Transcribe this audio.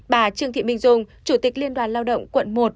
bà trương thị minh dung chủ tịch liên đoàn lao động quận một